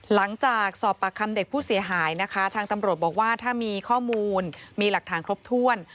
หลังจากสอบปากคำเด็กผู้เสียหายนะคะทางตำรวจบอกว่าถ้ามีข้อมูลมีหลักฐานครบถ้วน